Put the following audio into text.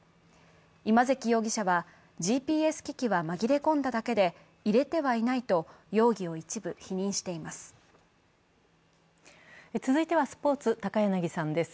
今関容疑者は、ＧＰＳ機器は紛れ込んだだけで入れてはいないと容疑を一部否認しています。